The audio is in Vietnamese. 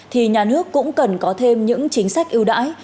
thì nhà nước cũng cần có thêm những chính sách ưu đãi